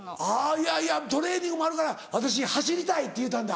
いやいやトレーニングもあるから「私走りたい」って言うたんだ。